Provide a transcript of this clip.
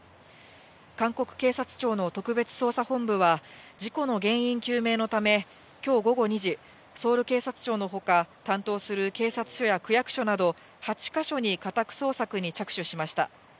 韓国警察庁の特別捜査本部は、事故の原因究明のため、きょう午後２時、ソウル警察庁のほか、担当する警察署や区役所など８か所に家宅捜索に着手しました。